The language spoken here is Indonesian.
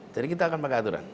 jadi kita akan pakai aturan